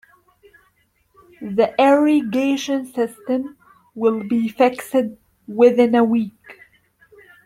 The irrigation system will be fixed within a week.